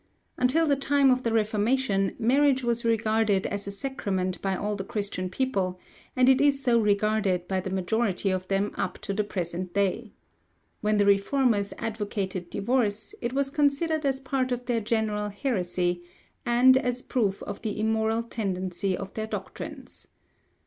Until the time of the Reformation, marriage was regarded as a sacrament by all Christian people, and it is so regarded by the majority of them up to the present day. When the Reformers advocated divorce, it was considered as part of their general heresy, and as proof of the immoral tendency of their doctrines.